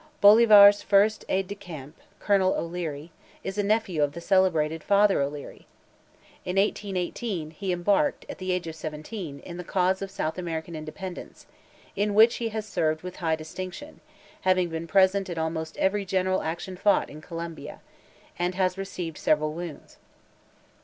Bolivar's first aide de camp, Colonel O'Leary, is a nephew of the celebrated Father O'Leary. In 1818, he embarked, at the age of seventeen, in the cause of South American independence, in which he has served with high distinction, having been present at almost every general action fought in Colombia, and has received several wounds.